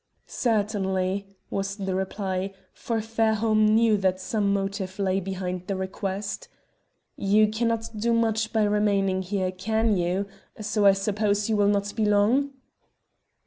"Certainly," was the reply, for Fairholme knew that some motive lay behind the request. "You cannot do much by remaining here, can you, so I suppose you will not be long?"